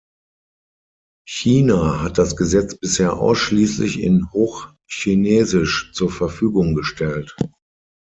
China hat das Gesetz bisher ausschließlich in Hochchinesisch zur Verfügung gestellt.